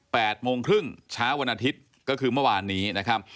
โมงครึ่งเช้าวันอาทิตย์ก็คือเมื่อวานนี้นะครับ